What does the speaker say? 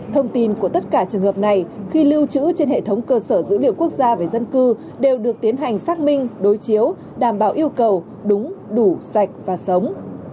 thông tin của tất cả trường hợp này khi lưu trữ trên hệ thống cơ sở dữ liệu quốc gia về dân cư đều được tiến hành xác minh đối chiếu đảm bảo yêu cầu đúng đủ sạch và sống